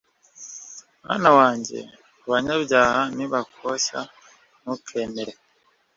mwana wanjye, abanyabyaha nibakoshya ntukemere